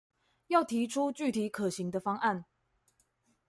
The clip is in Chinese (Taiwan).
要提出具體可行的方案